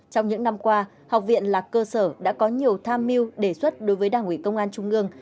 trong những năm qua học viện là cơ sở đã có nhiều tham mưu đề xuất đối với đảng ủy công an trung ương